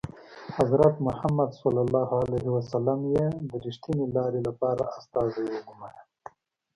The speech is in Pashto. حضرت محمد یې د ریښتینې لارې لپاره استازی وګوماره.